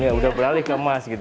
sudah beralih ke emas